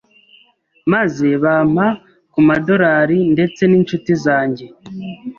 maze bampa ku madorari ndetse n’inshuti zanjye